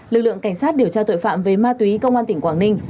lực lượng cảnh sát điều tra tội phạm về ma túy công an tỉnh quảng ninh